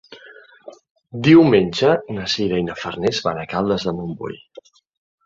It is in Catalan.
Diumenge na Sira i na Farners van a Caldes de Montbui.